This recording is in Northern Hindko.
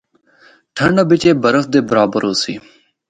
ٹھنڈا بچ اے برف دے برابر ہوسی۔